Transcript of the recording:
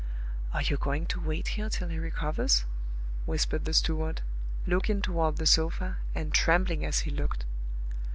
"Are you going to wait here till he recovers?" whispered the steward, looking toward the sofa, and trembling as he looked.